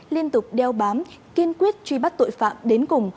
liên tục đeo bám kiên quyết truy bắt tội phạm đến cùng